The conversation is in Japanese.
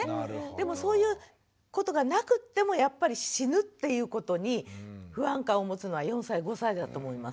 でもそういうことがなくってもやっぱり死ぬっていうことに不安感を持つのは４歳５歳だと思います。